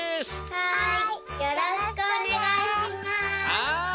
はい。